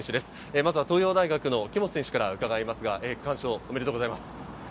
まずは東洋大学・木本選手から伺います、おめでとうございます。